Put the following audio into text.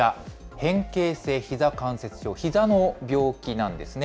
変形性ひざ関節症、ひざの病気なんですね。